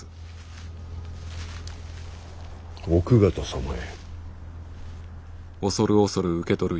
奥方様へ。